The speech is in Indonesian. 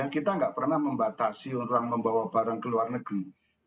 kita nggak pernah membatasi orang membawa barang ke luar negeri